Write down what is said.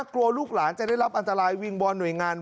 กลัวลูกหลานจะได้รับอันตรายวิงวอนหน่วยงาน